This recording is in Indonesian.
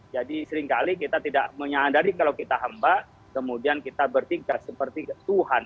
jadi seringkali kita tidak menyadari kalau kita hamba kemudian kita bertingkah seperti tuhan